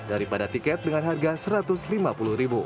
daripada tiket dengan harga rp satu ratus lima puluh